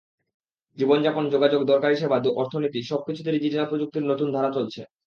জীবন যাপন, যোগাযোগ, দরকারি সেবা, অর্থনীতি—সবকিছুতে ডিজিটাল প্রযুক্তির নতুন ধারা চলছে।